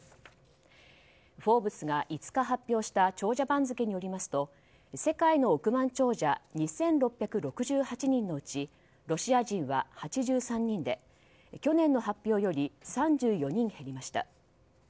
「フォーブス」が５日発表した長者番付によりますと世界の億万長者２６６８人のうちロシア人は８３人で去年の発表より３４人減りました。